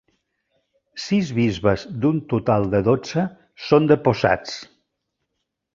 Sis bisbes d'un total de dotze són deposats.